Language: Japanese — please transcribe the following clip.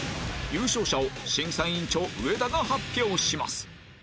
優勝者を審査員長上田が発表します